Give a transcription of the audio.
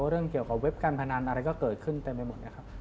เรื่องเกี่ยวกับเว็บการพนันอะไรก็เกิดขึ้นเต็มไปหมดนะครับ